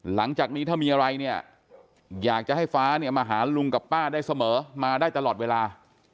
หลังจากนี้ถ้ามีอะไรเนี่ยอยากจะให้ฟ้าเนี่ยมาหาลุงกับป้าได้เสมอมาได้ตลอดเวลา